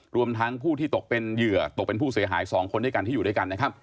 รวมทั้งผู้ที่ตกเป็นเหยื่อตกเป็นผู้เสียหาย๒คนด้วยกันที่อยู่ด้วยกันนะครับ